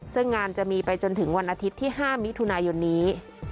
ซึ่งงานจะมีไปจนถึงวันอาทิตย์ที่๕มิถุนายนนี้